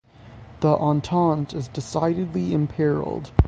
The Entente is decidedly imperilled.